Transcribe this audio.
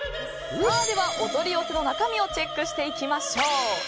お取り寄せの中身をチェックしていきましょう。